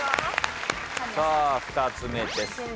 さあ２つ目です。